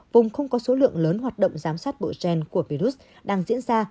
vùng không có số lượng lớn hoạt động giám sát bộ gen của virus đang diễn ra